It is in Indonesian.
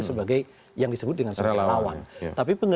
sebagai yang disebut dengan relawan